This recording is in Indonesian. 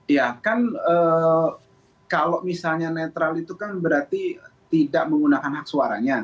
ya kan kalau misalnya netral itu kan berarti tidak menggunakan hak suaranya